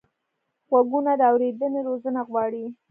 غوږونه د اورېدنې روزنه غواړي